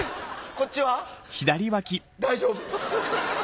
こっちは大丈夫。